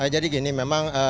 jadi gini memang